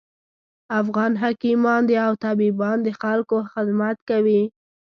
افغان حکیمان او طبیبان د خلکوخدمت کوي